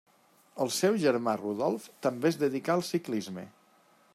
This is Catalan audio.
El seu germà Rudolf també es dedicà al ciclisme.